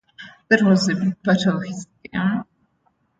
That was a big part of his game.